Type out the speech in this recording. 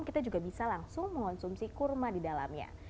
kita juga bisa langsung mengonsumsi kurma di dalamnya